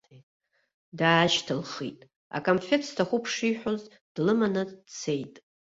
Даашьҭылхит, акамфеҭ сҭахуп шиҳәоз, длыманы дцеит.